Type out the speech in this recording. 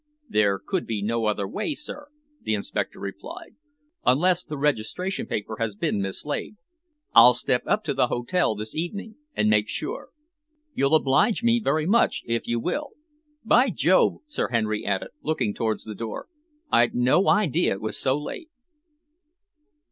"There could be no other way, sir," the inspector replied, "unless the registration paper has been mislaid. I'll step up to the hotel this evening and make sure." "You'll oblige me very much, if you will. By Jove," Sir Henry added, looking towards the door, "I'd no idea it was so late!"